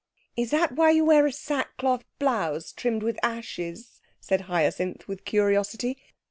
'Is that why you wear a sackcloth blouse trimmed with ashes?' said Hyacinth, with curiosity.